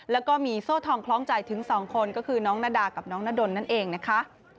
แล้วก็มีโซ่ทองคล้องใจถึง๒คนก็คือน้องนาดากับน้องนาดนนั่นเองนะคะ